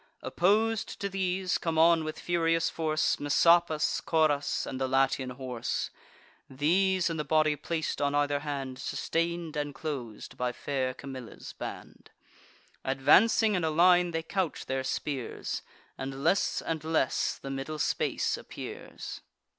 Oppos'd to these, come on with furious force Messapus, Coras, and the Latian horse; These in the body plac'd, on either hand Sustain'd and clos'd by fair Camilla's band. Advancing in a line, they couch their spears; And less and less the middle space appears.